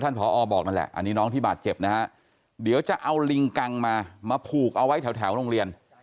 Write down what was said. ผอบอกนั่นแหละอันนี้น้องที่บาดเจ็บนะฮะเดี๋ยวจะเอาลิงกังมามาผูกเอาไว้แถวโรงเรียน